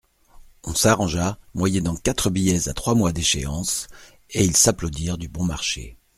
On s'arrangea, moyennant quatre billets à trois mois d'échéance, et ils s'applaudirent du bon marché.